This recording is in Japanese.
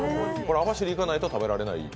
網走に行かないと食べられない？